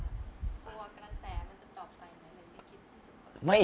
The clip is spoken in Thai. โตวากันแสปละแล้วก็ตอบไปอันนี้เผ็ดดูได้ไหม